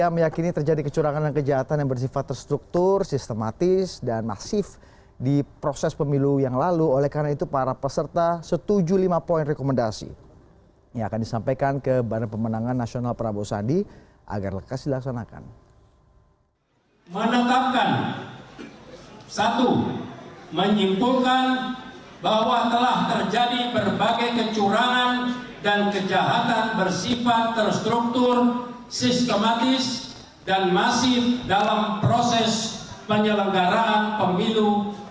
menyimpulkan bahwa telah terjadi berbagai kecurangan dan kejahatan bersifat terstruktur sistematis dan masif dalam proses penyelenggaraan pemilu dua ribu sembilan belas